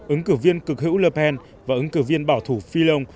ứng cử viên cực hữu le pen và ứng cử viên bảo thủ philong